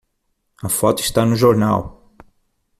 A foto está no jornal!